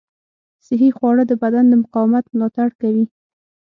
صحي خواړه د بدن د مقاومت ملاتړ کوي.